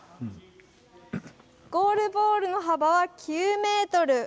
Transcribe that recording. ゴールボールの幅は９ｍ。